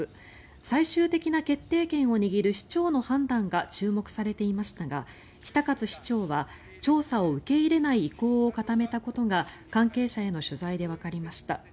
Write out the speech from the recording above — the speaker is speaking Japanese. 最終的な決定権を握る市長の判断が注目されていましたが比田勝市長は調査を受け入れない意向を固めたことが関係者への取材でわかりました。